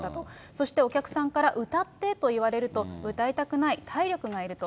そしてお客さんに歌ってと言われると、歌いたくない、体力がいると。